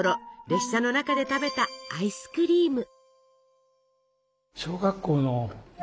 列車の中で食べたアイスクリーム。